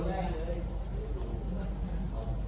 สวัสดีครับทุกคน